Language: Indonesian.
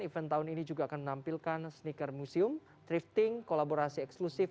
event tahun ini juga akan menampilkan sneaker museum thrifting kolaborasi eksklusif